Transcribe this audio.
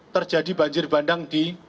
terjadi banjir bandang di